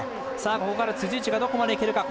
ここから辻内がどこまでいけるか。